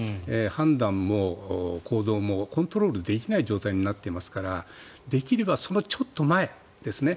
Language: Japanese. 判断も行動もコントロールできない状況になっていますからできればそのちょっと前ですね